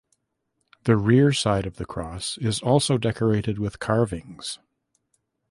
The rear side of the cross is also decorated with carvings.